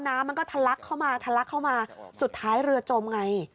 น้ำมันก็ทะลักเข้ามาทะลักเข้ามาสุดท้ายเรือจมไง